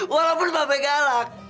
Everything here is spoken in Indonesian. walaupun bapak galak